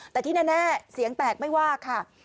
แต่ที่แน่เสียงแตกไม่ว่าค่ะ